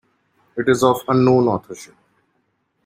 It is of unknown authorship.